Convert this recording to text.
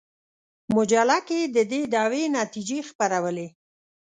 مجله کې د دې دعوې نتیجې خپرولې.